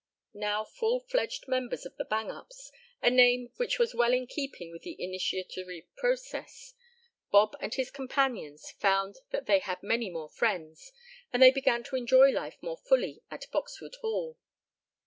Now full fledged members of the Bang Ups, a name which was well in keeping with the initiatory process, Bob and his companions found that they had many more friends, and they began to enjoy life more fully at Boxwood Hall.